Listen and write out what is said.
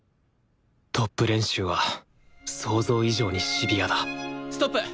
トップ練習は想像以上にシビアだストップ。